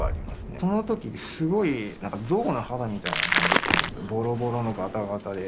そのとき、すごいなんか象の肌みたいな感じだったんですよ、ぼろぼろのがたがたで。